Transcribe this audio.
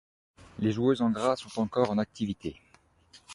Les joueuses en gras sont encore en activité.